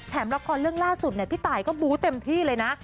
ละครเรื่องล่าสุดพี่ตายก็บู๊เต็มที่เลยนะ